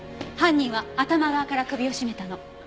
犯人は頭側から首を絞めたの。